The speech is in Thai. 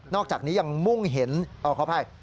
นอกจากนี้ยังมุ่งเห็นเอาเข้าไป